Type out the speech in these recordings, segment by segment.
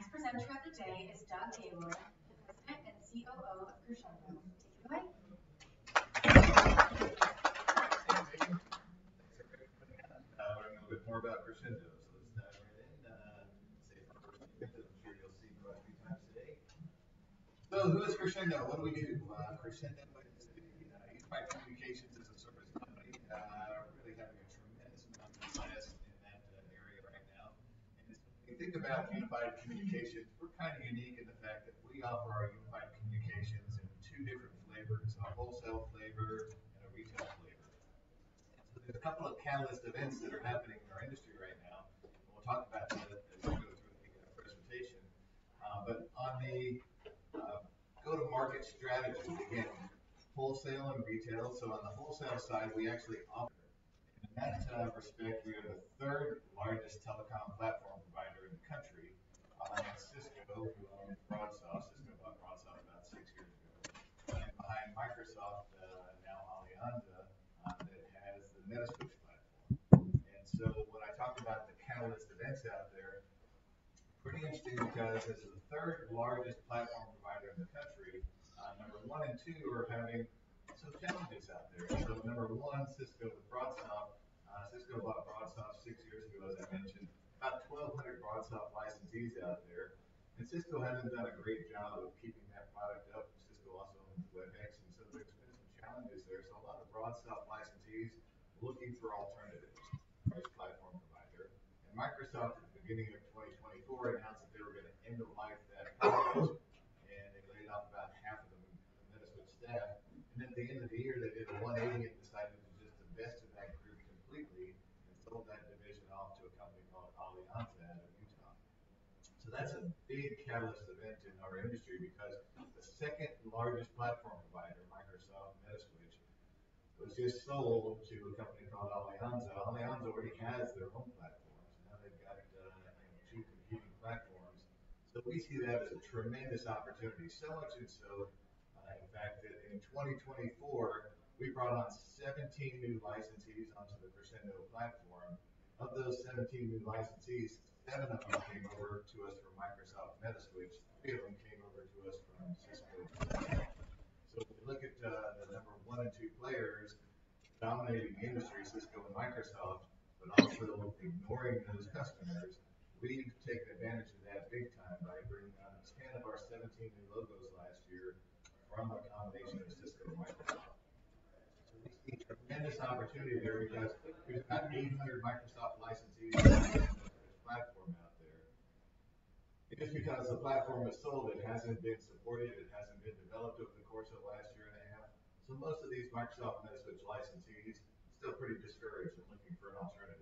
Our next presenter of the day is Doug Gaylor, the President and COO of Crexendo. Take it away. Thanks for putting that out there. I'll learn a little bit more about Crexendo, so let's dive right in. Save the first few minutes. I'm sure you'll see me about three times today. Who is Crexendo? What do we do? Crexendo is a unified communications as a service company. We're really having a tremendous amount of success in that area right now. When we think about unified communications, we're kind of unique in the fact that we offer our unified communications in two different flavors: a wholesale flavor and a retail flavor. There are a couple of catalyst events that are happening in our industry right now, and we'll talk about that as we go through the presentation. On the go-to-market strategy, again, wholesale and retail. On the wholesale side, we actually offer. In that respect, we are the third largest telecom platform provider in the country behind Cisco, who owns BroadSoft. Cisco bought BroadSoft about six years ago. Behind Microsoft, now Alianza, that has the Metaswitch platform. When I talk about the catalyst events out there, pretty interesting because as the third largest platform provider in the country, number one and two are having some challenges out there. Number one, Cisco with BroadSoft. Cisco bought BroadSoft six years ago, as I mentioned. About 1,200 BroadSoft licensees out there. Cisco has not done a great job of keeping that product up. Cisco also owns Webex, and there have been some challenges there. A lot of BroadSoft licensees are looking for alternatives. Price platform provider. Microsoft, at the beginning of 2024, announced that they were going to end the life of that platform, and they laid off about half of the Metaswitch staff. At the end of the year, they did a 180 and decided to just divest of that group completely and sold that division off to a company called Alianza out of Utah. That is a big catalyst event in our industry because the second largest platform provider, Microsoft Metaswitch, was just sold to a company called Alianza. Alianza already has their own platforms. Now they have two competing platforms. We see that as a tremendous opportunity. So much so, in fact, that in 2024, we brought on 17 new licensees onto the Crexendo platform. Of those 17 new licensees, seven of them came over to us from Microsoft Metaswitch. Three of them came over to us from Cisco and Microsoft. If you look at the number one and two players, dominating the industry, Cisco and Microsoft, but also ignoring those customers, we need to take advantage of that big time by bringing on 10 of our 17 new logos last year from a combination of Cisco and Microsoft. We see a tremendous opportunity there because there are about 800 Microsoft licensees on the Metaswitch platform out there. Just because the platform is sold, it has not been supported. It has not been developed over the course of the last year and a half. Most of these Microsoft Metaswitch licensees are still pretty discouraged and looking for an alternative.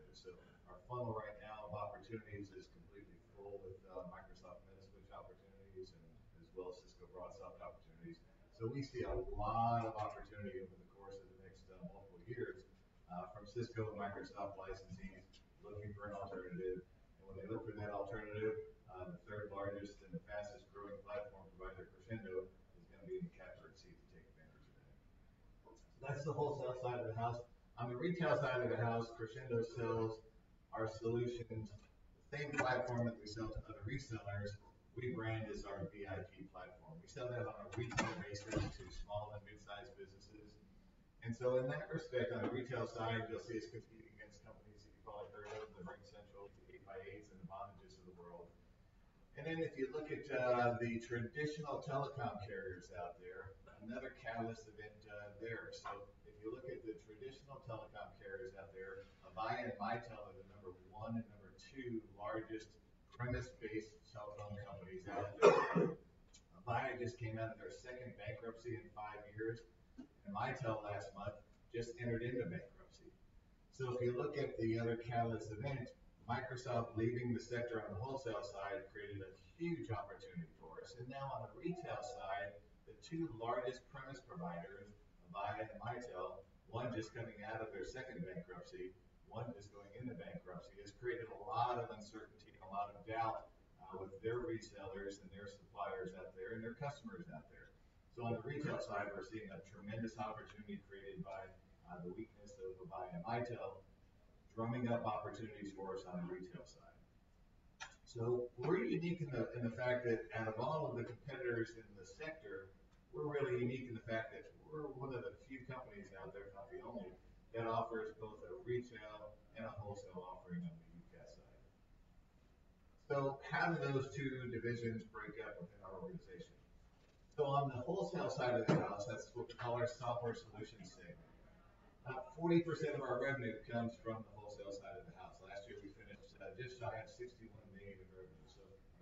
Our funnel right now of opportunities is completely full with Microsoft Metaswitch opportunities as well as Cisco BroadSoft opportunities. We see a lot of opportunity over the course of the next multiple years from Cisco and Microsoft licensees looking for an alternative. When they look for that alternative, the third largest and the fastest growing platform provider, Crexendo, is going to be in the capital seat to take advantage of that. That is the wholesale side of the house. On the retail side of the house, Crexendo sells our solutions. The same platform that we sell to other resellers, we brand as our VIP platform. We sell that on a retail basis to small and mid-sized businesses. In that respect, on the retail side, you'll see us competing against companies that you've probably heard of: the RingCentral, the 8x8s, and the Vonages of the world. If you look at the traditional telecom carriers out there, another catalyst event there. If you look at the traditional telecom carriers out there, Avaya and Mitel are the number one and number two largest premises-based telecom companies out there. Avaya just came out of their second bankruptcy in five years, and Mitel last month just entered into bankruptcy. If you look at the other catalyst event, Microsoft leaving the sector on the wholesale side created a huge opportunity for us. Now on the retail side, the two largest premise providers, Avaya and Mitel, one just coming out of their second bankruptcy, one just going into bankruptcy, has created a lot of uncertainty and a lot of doubt with their resellers and their suppliers out there and their customers out there. On the retail side, we're seeing a tremendous opportunity created by the weakness of Avaya and Mitel drumming up opportunities for us on the retail side. We're unique in the fact that out of all of the competitors in the sector, we're really unique in the fact that we're one of the few companies out there, if not the only, that offers both a retail and a wholesale offering on the UC side. How do those two divisions break up within our organization? On the wholesale side of the house, that's what we call our software solution segment. About 40% of our revenue comes from the wholesale side of the house. Last year, we finished just shy of $61 million in revenue.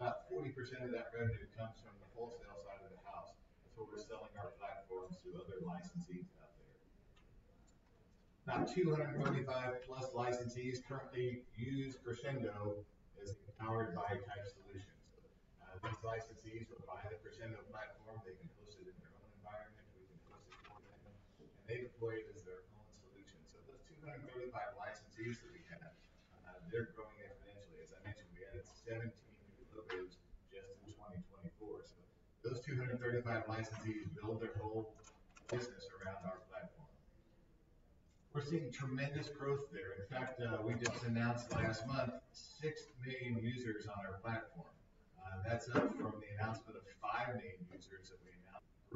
About 40% of that revenue comes from the wholesale side of the house. That's where we're selling our platforms to other licensees out there. About 225-plus licensees currently use Crexendo as a powered-by-type solution. These licensees will buy the Crexendo platform. They can host it in their own environment. We can host it in their environment. They deploy it as their own solution. Those 235 licensees that we have, they're growing exponentially. As I mentioned, we added 17 new logos just in 2024. Those 235 licensees build their whole business around our platform. We're seeing tremendous growth there. In fact, we just announced last month 6 million users on our platform. That is up from the announcement of 5 million users, that we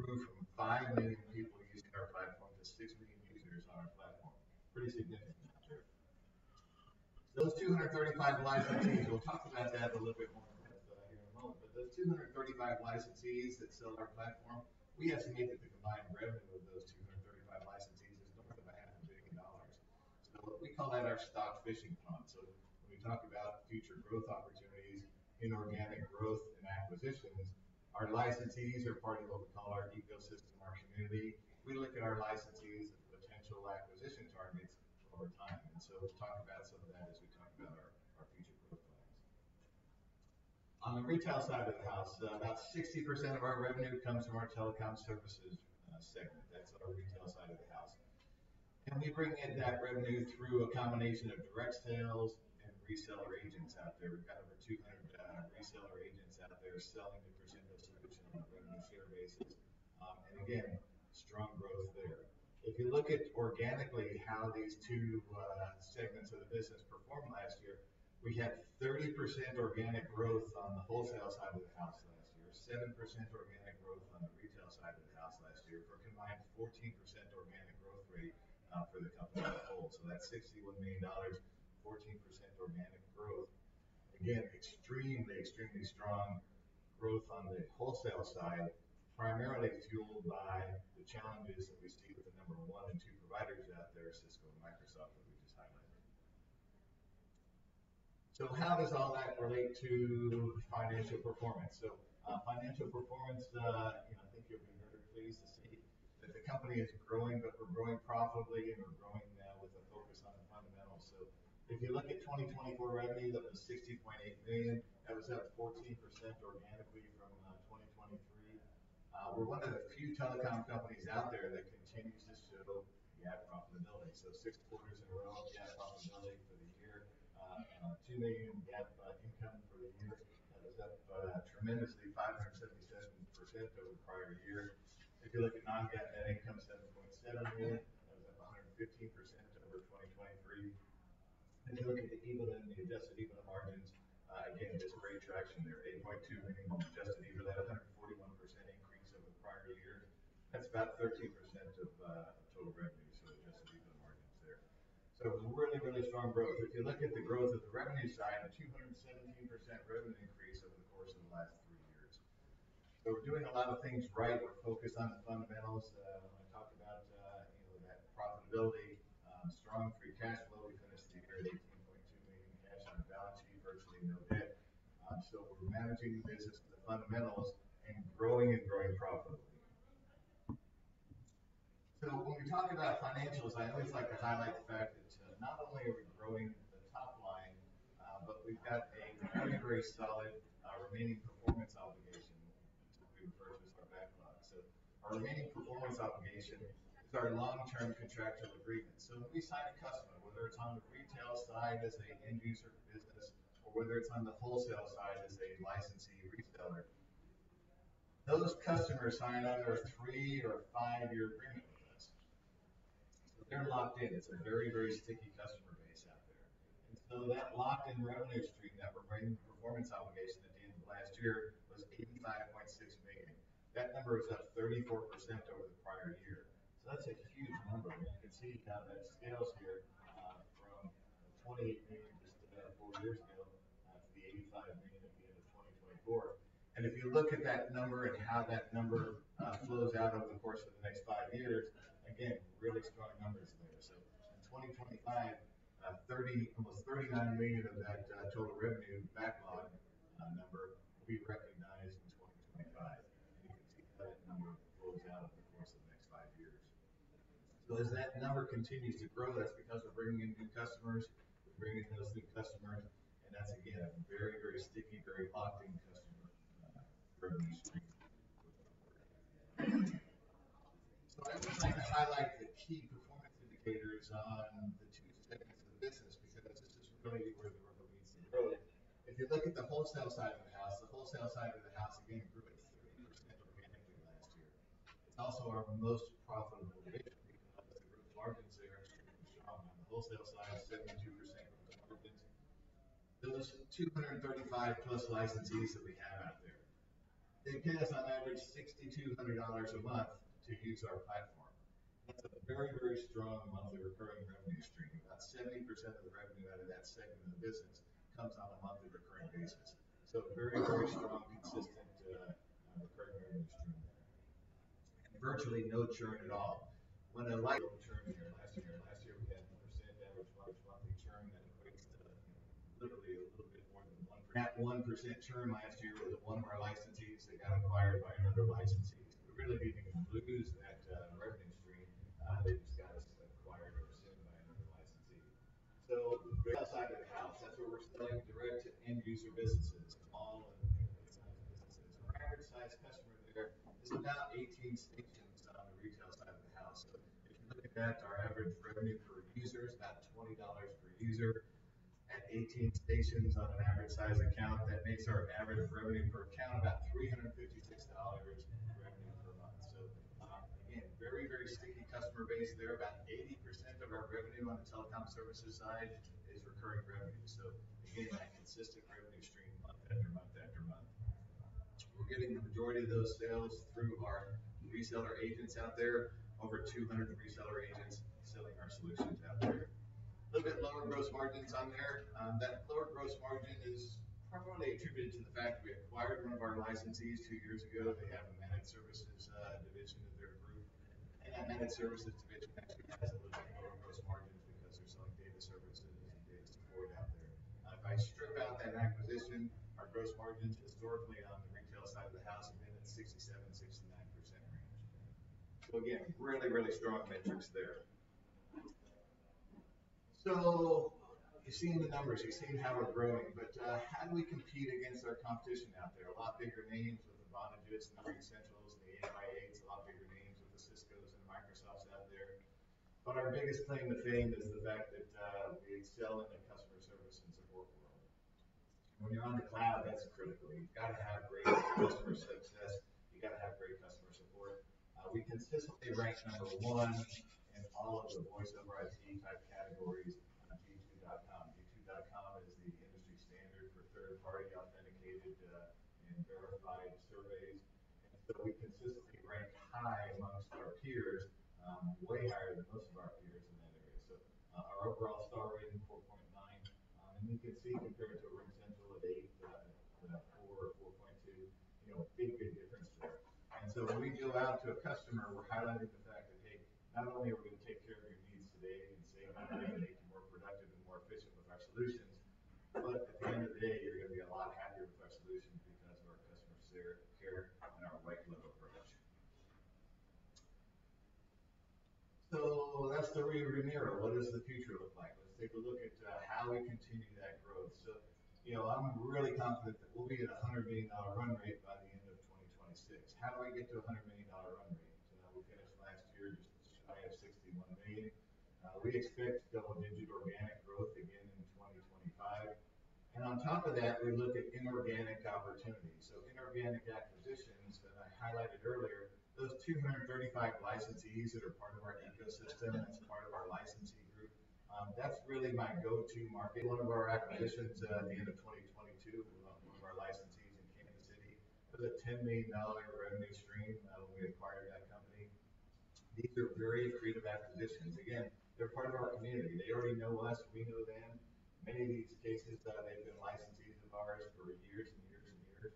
grew from 5 million people using our platform to 6 million users on our platform. Pretty significant number. Those 235 licensees, we'll talk about that a little bit more in depth here in a moment. Those 235 licensees that sell our platform, we estimate that the combined revenue of those 235 licensees is north of $100 million. We call that our stock fishing pond. When we talk about future growth opportunities, inorganic growth, and acquisitions, our licensees are part of what we call our ecosystem, our community. We look at our licensees as potential acquisition targets over time. We will talk about some of that as we talk about our future growth plans. On the retail side of the house, about 60% of our revenue comes from our telecom services segment. That is our retail side of the house. We bring in that revenue through a combination of direct sales and reseller agents out there. We have over 200 reseller agents out there selling the Crexendo solution on a revenue share basis. Again, strong growth there. If you look at organically how these two segments of the business performed last year, we had 30% organic growth on the wholesale side of the house last year, 7% organic growth on the retail side of the house last year, for a combined 14% organic growth rate for the company as a whole. That is $61 million, 14% organic growth. Again, extremely, extremely strong growth on the wholesale side, primarily fueled by the challenges that we see with the number one and two providers out there, Cisco and Microsoft, that we just highlighted. How does all that relate to financial performance? Financial performance, I think you have been very pleased to see that the company is growing, but we are growing profitably, and we are growing with a focus on the fundamentals. If you look at 2024 revenue, that was $60.8 million. That was up 14% organically from 2023. We're one of the few telecom companies out there that continues to show GAAP profitability. Six quarters in a row, GAAP profitability for the year. $2 million GAAP income for the year. That was up tremendously, 577% over the prior year. If you look at non-GAAP net income, $7.7 million. That was up 115% over 2023. If you look at the EBITDA, the adjusted EBITDA margins, again, there's great traction there. $8.2 million adjusted EBITDA, 141% increase over the prior year. That's about 13% of total revenue. Adjusted EBITDA margins there. Really, really strong growth. If you look at the growth of the revenue side, a 217% revenue increase over the course of the last three years. We're doing a lot of things right. We're focused on the fundamentals. When I talk about that profitability, strong free cash flow. We finished the year at $18.2 million in cash on balance sheet, virtually no debt. We are managing the business with the fundamentals and growing and growing profitably. When we talk about financials, I always like to highlight the fact that not only are we growing the top line, but we have a very, very solid remaining performance obligation to repurchase our backlog. Our remaining performance obligation is our long-term contractual agreement. When we sign a customer, whether it is on the retail side as an end user business or whether it is on the wholesale side as a licensee reseller, those customers sign either a three or a five-year agreement with us. They are locked in. It is a very, very sticky customer base out there. That locked-in revenue stream that we are bringing performance obligation at the end of last year was $85.6 million. That number was up 34% over the prior year. That's a huge number. You can see that scales here from $28 million just about four years ago to the $85 million at the end of 2024. If you look at that number and how that number flows out over the course of the next five years, really strong numbers there. In 2025, almost $39 million of that total revenue backlog number will be recognized in 2025. You can see how that number flows out over the course of the next five years. As that number continues to grow, that's because we're bringing in new customers. We're bringing in those new customers. That's a very, very sticky, very locked-in customer revenue stream. I always like to highlight the key performance indicators on the two segments of the business because this is really where the revenues have grown. If you look at the wholesale side of the house, the wholesale side of the house, again, grew at 30% organically last year. It's also our most profitable division because the gross margins there are extremely strong on the wholesale side, 72% gross margins. Those 235-plus licensees that we have out there, they pay us on average $6,200 a month to use our platform. That's a very, very strong monthly recurring revenue stream. About 70% of the revenue out of that segment of the business comes on a monthly recurring basis. Very, very strong, consistent recurring revenue stream there. And virtually no churn at all. No churn in here last year. Last year, we had a % average month-to-monthly churn that equates to literally a little bit more than 1%. That 1% churn last year was one of our licensees that got acquired by another licensee. We really didn't even lose that revenue stream. They just got us acquired or sent by another licensee. The retail side of the house, that's where we're selling direct to end user businesses, all of the retail side businesses. Our average size customer there is about 18 stations on the retail side of the house. If you look at that, our average revenue per user is about $20 per user at 18 stations on an average size account. That makes our average revenue per account about $356 in revenue per month. Again, very, very sticky customer base there. About 80% of our revenue on the telecom services side is recurring revenue. That consistent revenue stream month after month after month. We're getting the majority of those sales through our reseller agents out there, over 200 reseller agents selling our solutions out there. A little bit lower gross margins on there. That lower gross margin is primarily attributed to the fact that we acquired one of our licensees two years ago. They have a managed services division in their group. That managed services division actually has a little bit of lower gross margins because they're selling data services and data support out there. If I strip out that acquisition, our gross margins historically on the retail side of the house have been in the 67-69% range. Really, really strong metrics there. You've seen the numbers. You've seen how we're growing. How do we compete against our competition out there? A lot bigger names with the Vonages and the RingCentrals and the 8x8s, a lot bigger names with the Ciscos and the Microsofts out there. Our biggest claim to fame is the fact that we excel in the customer service and support world. When you're on the cloud, that's critical. You've got to have great customer success. You've got to have great customer support. We consistently rank number one in all of the voice over IT-type categories on G2.com. G2.com is the industry standard for third-party authenticated and verified surveys. We consistently rank high amongst our peers, way higher than most of our peers in that area. Our overall star rating is 4.9. You can see compared to a RingCentral or 8x8, about 4 or 4.2, big, big difference there. When we go out to a customer, we're highlighting the fact that, hey, not only are we going to take care of your needs today and say, "I'm going to make you more productive and more efficient with our solutions," but at the end of the day, you're going to be a lot happier with our solutions because of our customer care and our white glove approach. That's the rear view mirror. What does the future look like? Let's take a look at how we continue that growth. I'm really confident that we'll be at a $100 million run rate by the end of 2026. How do we get to a $100 million run rate? We finished last year just as high as $61 million. We expect double-digit organic growth again in 2025. On top of that, we look at inorganic opportunities. Inorganic acquisitions that I highlighted earlier, those 235 licensees that are part of our ecosystem, that's part of our licensee group. That's really my go-to market. One of our acquisitions at the end of 2022, one of our licensees in Kansas City, was a $10 million revenue stream when we acquired that company. These are very creative acquisitions. Again, they're part of our community. They already know us. We know them. Many of these cases, they've been licensees of ours for years and years and years.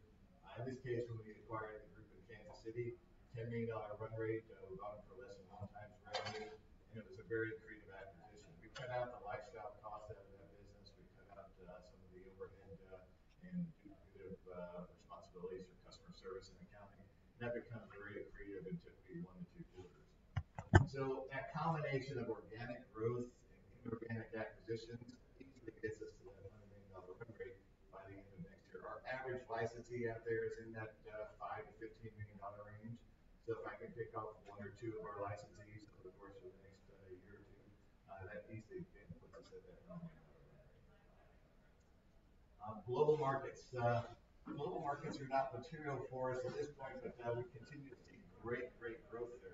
In this case, when we acquired the group in Kansas City, $10 million run rate, we bought them for less than one times revenue. It was a very creative acquisition. We cut out the lifestyle costs out of that business. We cut out some of the overhead and executive responsibilities for customer service and accounting. That becomes very creative and took me one to two quarters. That combination of organic growth and inorganic acquisitions easily gets us to that $100 million run rate by the end of next year. Our average licensee out there is in that $5 million-$15 million range. If I can pick off one or two of our licensees over the course of the next year or two, that easily puts us at that $100 million run rate. Global markets are not material for us at this point, but we continue to see great, great growth there.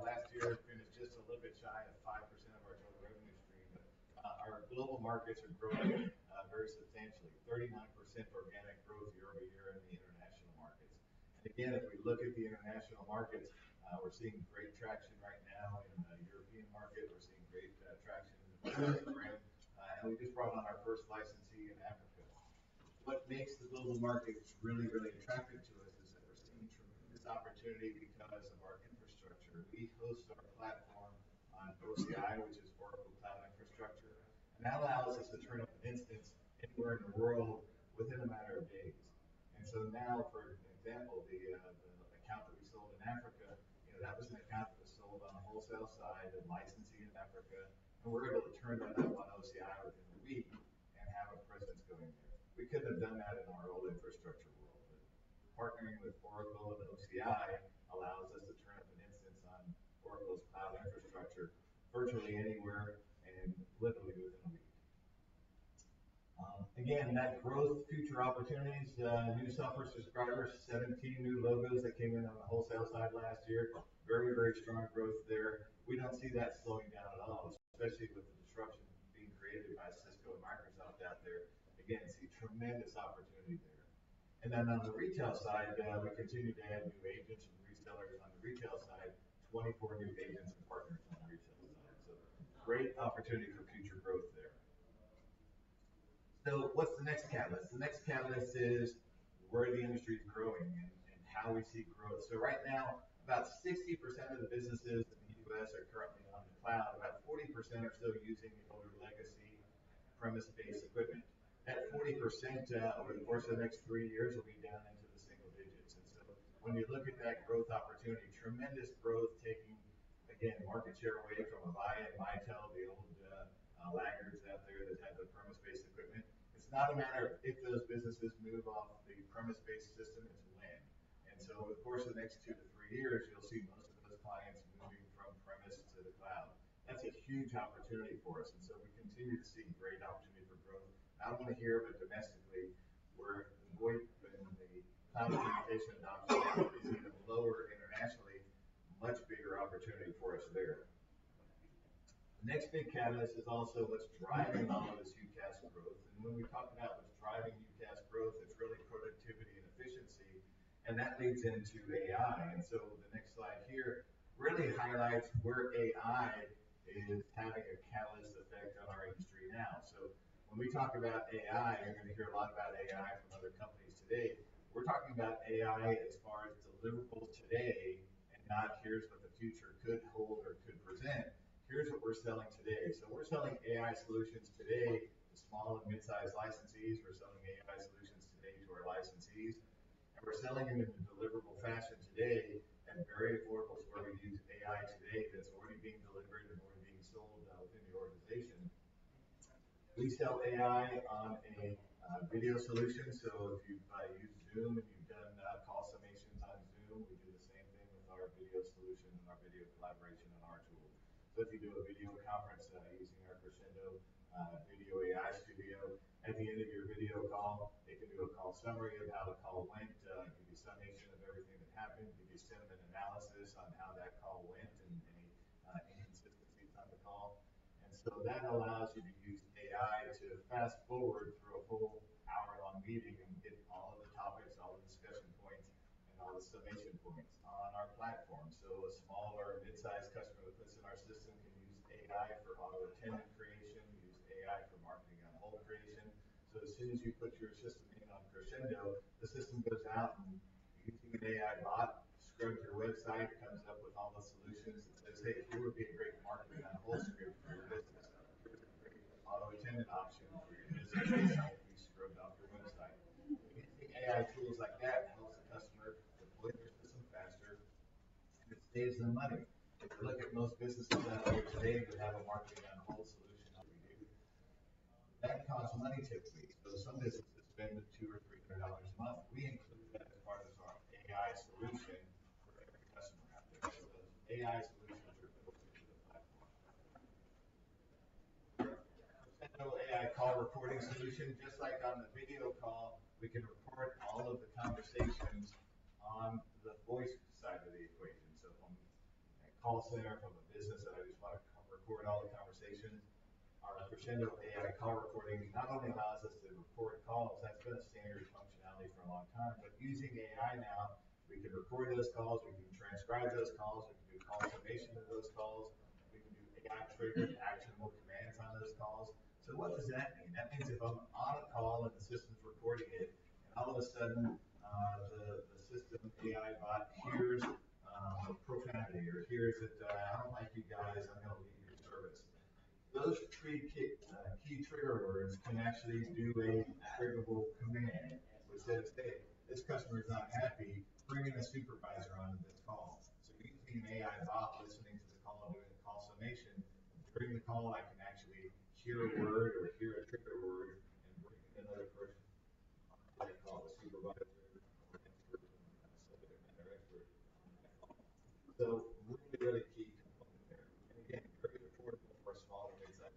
Last year, we finished just a little bit shy of 5% of our total revenue stream. Our global markets are growing very substantially. 39% organic growth year over year in the international markets. If we look at the international markets, we're seeing great traction right now in the European market. We're seeing great traction in the Pacific arena. We just brought on our first licensee in Africa. What makes the global market really, really attractive to us is that we're seeing tremendous opportunity because of our infrastructure. We host our platform on OCI, which is Oracle Cloud Infrastructure. That allows us to turn up instance anywhere in the world within a matter of days. For example, the account that we sold in Africa, that was an account that was sold on the wholesale side and licensing in Africa. We're able to turn that up on OCI within a week and have a presence going there. We couldn't have done that in our old infrastructure world. Partnering with Oracle and OCI allows us to turn up an instance on Oracle's cloud infrastructure virtually anywhere and literally within a week. Again, that growth, future opportunities, new software subscribers, 17 new logos that came in on the wholesale side last year. Very, very strong growth there. We do not see that slowing down at all, especially with the disruption being created by Cisco and Microsoft out there. Again, see tremendous opportunity there. On the retail side, we continue to add new agents and resellers on the retail side, 24 new agents and partners on the retail side. Great opportunity for future growth there. The next catalyst is where the industry is growing and how we see growth. Right now, about 60% of the businesses in the US are currently on the cloud. About 40% are still using the older legacy premise-based equipment. That 40% over the course of the next three years will be down into the single digits. When you look at that growth opportunity, tremendous growth taking, again, market share away from Avaya and Mitel, the old laggards out there that had the premise-based equipment. It's not a matter of if those businesses move off the premise-based system into land. Over the course of the next two to three years, you'll see most of those clients moving from premise to the cloud. That's a huge opportunity for us. We continue to see great opportunity for growth. I don't want to hear of it domestically. We're going to the cloud implementation adoption now is even lower internationally, much bigger opportunity for us there. The next big catalyst is also what's driving all of this UCaaS growth. When we talk about what's driving UCaaS growth, it's really productivity and efficiency. That leads into AI. The next slide here really highlights where AI is having a catalyst effect on our industry now. When we talk about AI, you're going to hear a lot about AI from other companies today. We're talking about AI as far as deliverables today and not, "Here's what the future could hold or could present. Here's what we're selling today." We're selling AI solutions today to small and mid-sized licensees. We're selling AI solutions today to our licensees. We're selling them in a deliverable fashion today and very affordable to where we use AI today that's already being delivered and already being sold within the organization. We sell AI on a video solution. If you use Zoom and you've done call summations on Zoom, we do the same thing with our video solution and our video collaboration on our tool. If you do a video conference using our Crexendo Video AI Studio, at the end of your video call, they can do a call summary of how the call went, give you a summation of everything that happened, give you a sentiment analysis on how that call went and any inconsistencies on the call. That allows you to use AI to fast forward through a full hour-long meeting and get all of the topics, all the discussion points, and all the summation points on our platform. A small or mid-sized customer that puts in our system can use AI for auto attendant creation, use AI for marketing on hold creation. As soon as you put your system in on Crexendo, the system goes out and, using an AI bot, scrubs your website, comes up with all the solutions and says, "Hey, here would be a great marketing on hold script for your business. I'll give you a great auto attendant option for your business. How would you scrub off your website?" Using AI tools like that helps the customer deploy their system faster and it saves them money. If you look at most businesses out there today that have a marketing on hold solution, that we do. That costs money typically. Some businesses spend $200-$300 a month. We include that as part of our AI solution for every customer out there. Those AI solutions are built into the platform. Crexendo AI Call Reporting solution. Just like on the video call, we can report all of the conversations on the voice side of the equation. From a call center, from a business that I just want to record all the conversations, our Crexendo AI Call Reporting not only allows us to record calls. That's been a standard functionality for a long time. Using AI now, we can record those calls. We can transcribe those calls. We can do call summation of those calls. We can do AI-triggered actionable commands on those calls. What does that mean? That means if I'm on a call and the system's recording it, and all of a sudden the system AI bot hears profanity or hears that, "I don't like you guys. I'm going to leave your service." Those three key trigger words can actually do a triggerable command. Instead of, "Hey, this customer is not happy," bring in a supervisor onto this call. Using an AI bot listening to the call and doing a call summation, during the call, I can actually hear a word or hear a trigger word and bring in another person onto that call, the supervisor or the expert, the accelerator and their expert on that call. Really, really key component there. Again, very affordable for our small and mid-sized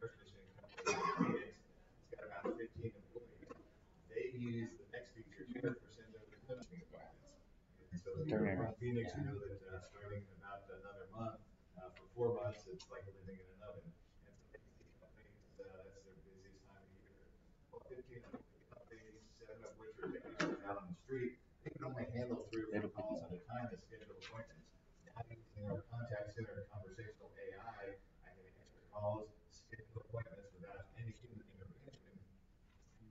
businesses. We've got an air conditioning company for our agents. It's got about 15 employees. They use the next feature, Crexendo Customer Experience. The Phoenix know that starting in about another month, for four months, it's like living in an oven. For the Phoenix companies, that's their busiest time of year. Fifteen of them are in companies, seven of which are technicians out on the street. They can only handle three or four calls at a time and schedule appointments. Now using our contact center and conversational AI, I can answer calls, schedule appointments without any human intervention.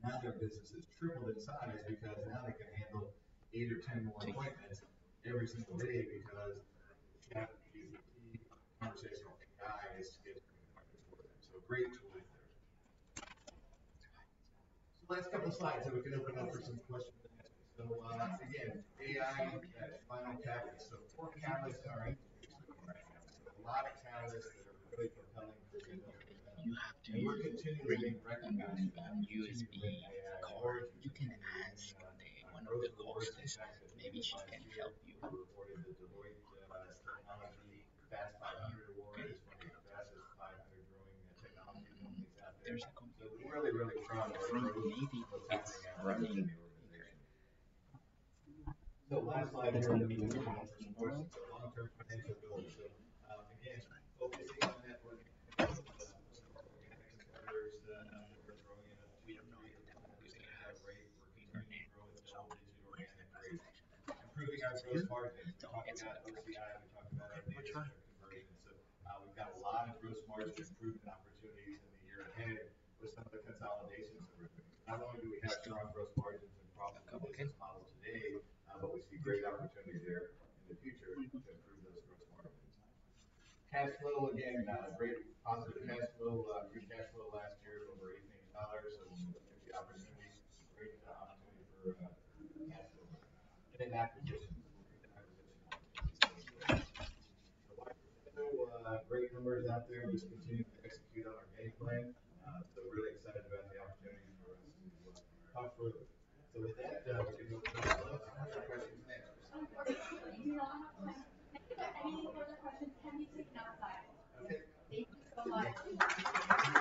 Now their business has tripled in size because now they can handle 8 or 10 more appointments every single day because that using the conversational AI is scheduling appointments for them. Great tool there. Last couple of slides that we can open up for some questions and answers. Again, AI and final catalyst. Four catalysts are in the future right now. There's a lot of catalysts that are really propelling Crexendo to the top. We're continuing to recognize that. You as a caller, you can add something. One of the callers that she said, "Maybe she can help you." Reporting the Deloitte Technology Fast 500 award. It's one of the fastest five-year growing technology companies out there. We're really, really proud of Crexendo. We need people to be running there. The last slide is going to be more of a long-term potential growth. Again, focusing on networking and organic competitors. We're growing at a 200 million companies. We've got a great working market growth developed into organic growth. Improving our gross margin. We talked about OCI. We talked about our mid-term conversion. We've got a lot of gross margin improvement opportunities in the year ahead with some of the consolidations that we're doing. Not only do we have strong gross margins and profitability as a model today, but we see great opportunity there in the future to improve those gross margins. Cash flow, again, great positive cash flow. Good cash flow last year of over $8 million. We're looking at the opportunity. Great opportunity for cash flow and acquisitions. Like Crexendo, great numbers out there. We're just continuing to execute on our game plan. Really excited about the opportunity for us to talk further. With that, we can open up to questions now. Any further questions can be taken outside. Thank you so much.